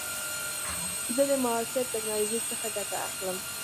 زه د معاصر ټکنالوژۍ څخه ګټه اخلم.